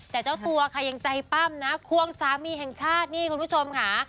แต่เจ้าตัวค่ะยังใจปั้มนะควงสามีแห่งชาตินี่คุณผู้ชมค่ะ